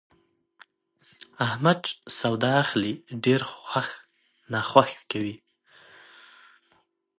احمد چې سودا اخلي، ډېر خوښ ناخوښ کوي.